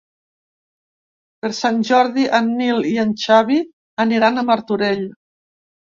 Per Sant Jordi en Nil i en Xavi aniran a Martorell.